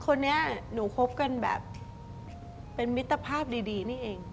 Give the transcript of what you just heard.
คนนี้หนูคบกันแบบเป็นมิตรภาพดีนี่เอง